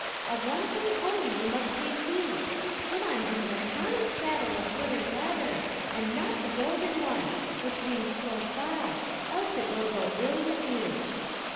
Of one thing only you must take heed; put on him the common saddle of wood and leather, and not the golden one, which hangs close by, else it will go ill with you.